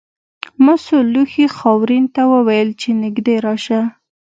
مسو لوښي خاورین ته وویل چې نږدې راشه.